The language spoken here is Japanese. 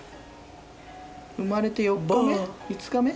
生まれて４日目？